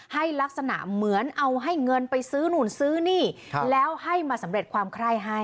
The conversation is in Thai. ให้ลักษณะเหมือนเอาให้เงินไปซื้อนู่นซื้อนี่แล้วให้มาสำเร็จความไคร้ให้